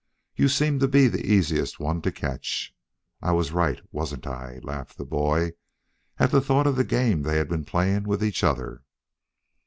You seemed to be the easiest one to catch. I was right, wasn't I?" laughed the boy, at the thought of the game they had been playing with each other.